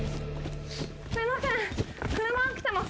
すいません。